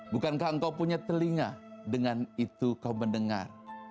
bukankah engkau punya telinga dengan itu kau mendengar